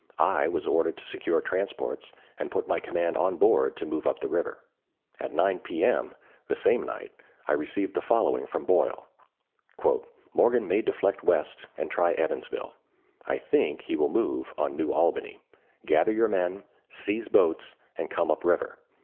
I was ordered to secure transports and put my command on board to move up the river. At 9 P.M. the same night I received the following from Boyle: "Morgan may deflect west and try Evansville. I think he will move on New Albany. Gather your men, seize boats, and come up river.